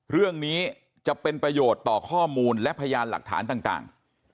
เรื่องนี้จะเป็นประโยชน์ต่อข้อมูลและพยานหลักฐานต่าง